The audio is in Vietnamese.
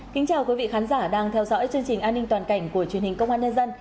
kính chào quý vị khán giả đang theo dõi chương trình an ninh toàn cảnh của truyền hình công an nhân dân